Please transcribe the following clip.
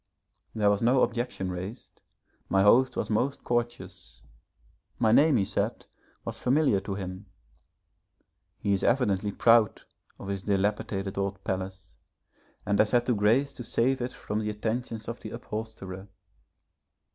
There was no objection raised, my host was most courteous, my name, he said, was familiar to him; he is evidently proud of his dilapidated old palace, and has had the grace to save it from the attentions of the upholsterer.